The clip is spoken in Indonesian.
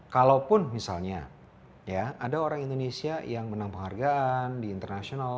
kalaupun misalnya ya ada orang indonesia yang menang penghargaan di internasional